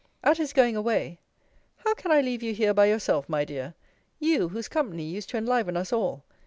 At his going away How can I leave you here by yourself, my dear? you, whose company used to enliven us all.